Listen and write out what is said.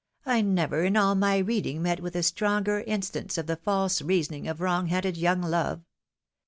" I never in all my reading met with a stronger instance of the false reasoning of wrong headed young love